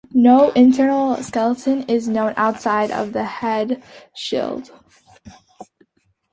No internal skeleton is known, outside of the head shield.